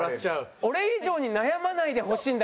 俺以上に悩まないでほしいんだけど。